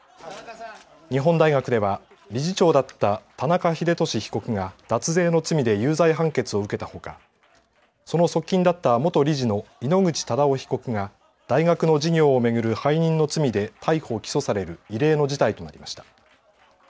日本大学では理事長だった田中英壽被告が脱税の罪で有罪判決を受けたほかその側近だった元理事の井ノ口忠男被告が大学の事業を巡る背任の罪で逮捕・起訴される異例の事態となりました。